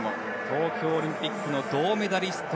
東京オリンピックの銅メダリスト